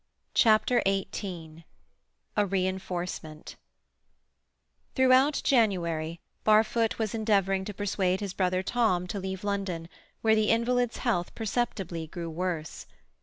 CHAPTER XVIII A REINFORCEMENT Throughout January, Barfoot was endeavouring to persuade his brother Tom to leave London, where the invalid's health perceptibly grew worse.